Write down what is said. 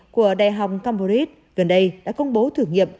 của đại học camborit gần đây đã công bố thử nghiệm